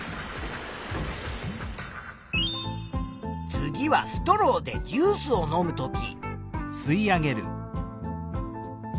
次はストローでジュースを飲むとき。